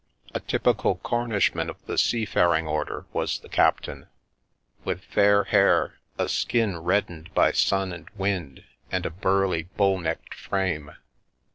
A typical Cornishman of the seafaring order was the captain, with fair hair, a skin reddened by sun and wind, and a burly, bull necked frame.